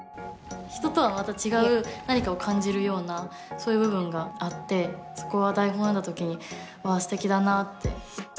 人とはまた違う何かを感じるようなそういう部分があってそこは台本を読んだ時にわあすてきだなって。